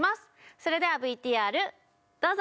それではＶＴＲどうぞ！